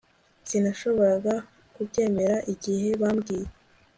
sinashoboraga kubyemera igihe bambwiye